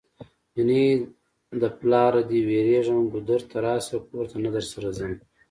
جنۍ د پلاره دی ويريږم ګودر ته راشه کور ته نه درسره ځمه